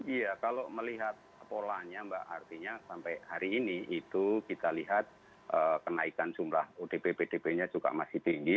iya kalau melihat polanya mbak artinya sampai hari ini itu kita lihat kenaikan jumlah odp pdp nya juga masih tinggi